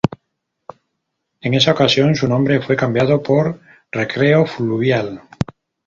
En esa ocasión, su nombre fue cambiado por Recreo Fluvial.